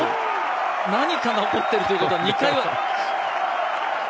何かが起こっているということは、２回は。